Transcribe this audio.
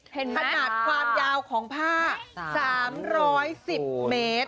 ขนาดความยาวของผ้า๓๑๐เมตร